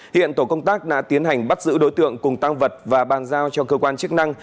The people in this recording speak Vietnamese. hiện tổ công tác đã tiến hành bắt giữ đối tượng cùng tăng vật và bàn giao cho cơ quan chức năng